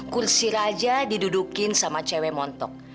kursi raja didudukin sama cewek montok